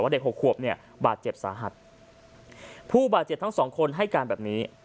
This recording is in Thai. เด็กหกขวบเนี่ยบาดเจ็บสาหัสผู้บาดเจ็บทั้งสองคนให้การแบบนี้